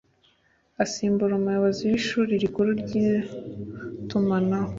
Asimbura Umuyobozi w Ishuri Rikuru ry’ Itumanaho